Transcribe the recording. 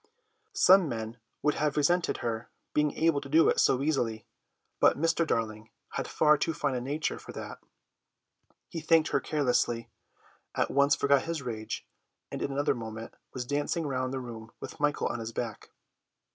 Some men would have resented her being able to do it so easily, but Mr. Darling had far too fine a nature for that; he thanked her carelessly, at once forgot his rage, and in another moment was dancing round the room with Michael on his back.